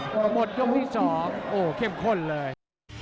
หมดโลกนี้สองโอ้เข้มข้นเลย